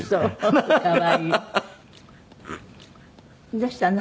「どうしたの？